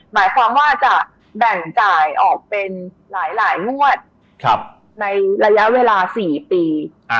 หมายความว่าจะแบ่งจ่ายออกเป็นหลายงวดในระยะเวลา๔ปี